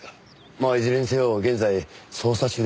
まあいずれにせよ現在捜査中でして。